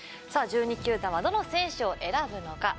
１２球団はどの選手を選ぶのか。